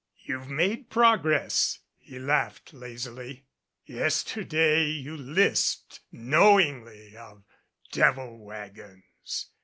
"You've made progress," he laughed lazily. "Yester day you lisped knowingly of devil wagons.